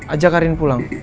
ajak arin pulang